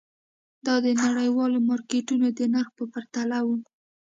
دا د نړیوالو مارکېټونو د نرخ په پرتله وو.